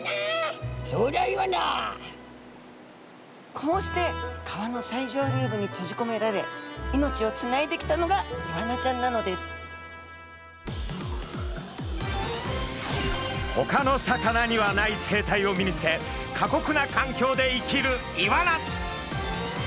こうして川の最上流部に閉じこめられ命をつないできたのがイワナちゃんなのですほかの魚にはない生態を身につけ過酷な環境で生きるイワナ。